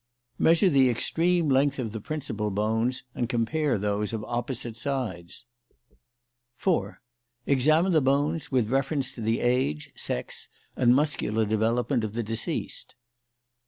Measure the extreme length of the principal bones and compare those of opposite sides. 4. Examine the bones with reference to the age, sex, and muscular development of the deceased.